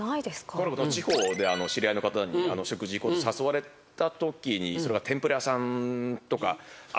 困ることは地方で知り合いの方に食事行こうって誘われたときにそれが天ぷら屋さんとか揚げ物屋さん。